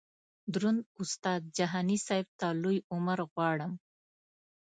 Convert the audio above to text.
دروند استاد جهاني صیب ته لوی عمر غواړم.